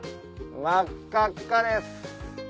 真っ赤っかです。